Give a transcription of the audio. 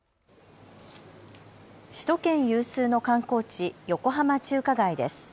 首都圏有数の観光地、横浜中華街です。